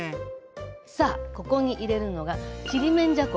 さあここに入れるのがちりめんじゃこ。